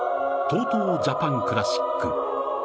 ＴＯＴＯジャパンクラシック。